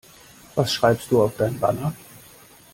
Was schreibst du auf dein Banner?